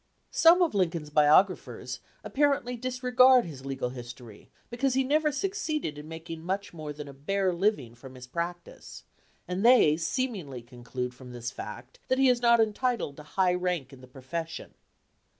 Some of Lincoln's biographers apparently dis regard his legal history because he never suc ceeded in making much more than a bare living from his practice, and they seemingly conclude from this fact that he is not entitled to high rank in the profession.